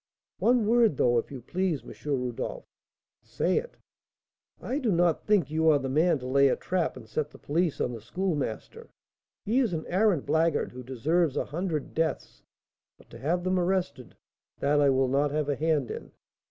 One word, though, if you please, M. Rodolph." "Say it." "I do not think you are the man to lay a trap, and set the police on the Schoolmaster. He is an arrant blackguard, who deserves a hundred deaths; but to have them arrested, that I will not have a hand in."